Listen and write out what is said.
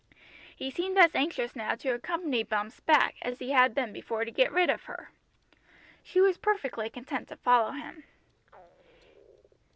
He seemed as anxious now to accompany Bumps back as he had been before to get rid of her. She was perfectly content to follow him.